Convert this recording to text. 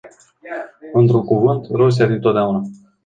Într-un cuvânt, Rusia dintotdeauna.